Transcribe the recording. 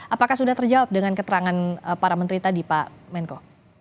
apakah sudah terjawab dengan keterangan para menteri tadi pak menko